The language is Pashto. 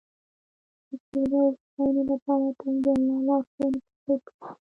د سولې او هوساینې لپاره تل د الله لارښوونې تعقیب کړئ.